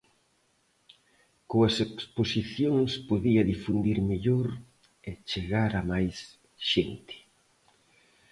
Coas exposicións, podía difundir mellor e chegar a máis xente.